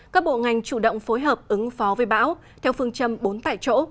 các bộ ngành chủ động phối hợp ứng phó với bão theo phương châm bốn tại chỗ